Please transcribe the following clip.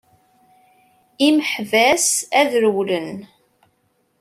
Imeḥbas ad rewwlen!